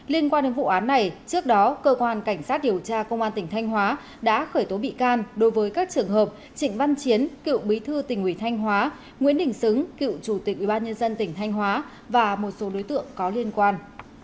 liên quan đến vụ án này trước đó cơ quan cảnh sát điều tra công an tỉnh thanh hóa đã khởi tố bị can đối với các trường hợp trịnh văn chiến cựu bí thư tỉnh ủy thanh hóa nguyễn đình xứng cựu chủ tịch ubnd tỉnh thanh hóa và một số đối tượng có liên quan